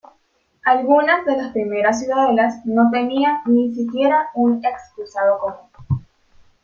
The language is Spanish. Algunas de las primeras ciudadelas no tenían ni siquiera un excusado común.